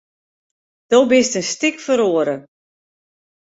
Do bist in stik feroare.